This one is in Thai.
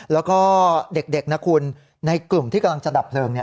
แล้วก็เด็กนะคุณในกลุ่มที่กำลังจะดับเพลิง